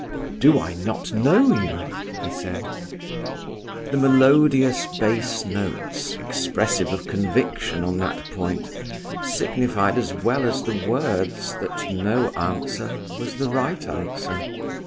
"Do I not know you?" he said. The melodious bass notes, expressive of conviction on that point, signified as well as the words that no answer was the right answer.